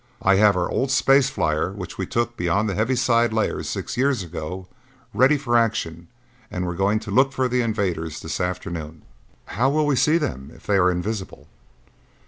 I have our old space flyer which we took beyond the heaviside layer six years ago ready for action and we're going to look for the invaders this afternoon." "How will we see them if they are invisible?"